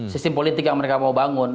sistem politik yang mereka mau bangun